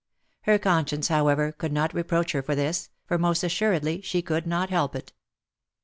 Her conscience, however, could not reproach her for this, for most assuredly she could not help it.